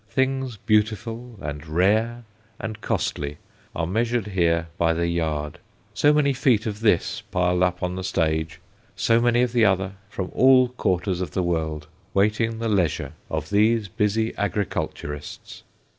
Things beautiful and rare and costly are measured here by the yard so many feet of this piled up on the stage, so many of the other, from all quarters of the world, waiting the leisure of these busy agriculturists.